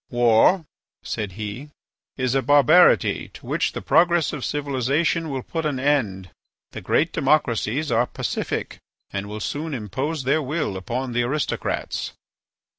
"War," said he, "is a barbarity to which the progress of civilization will put an end. The great democracies are pacific and will soon impose their will upon the aristocrats."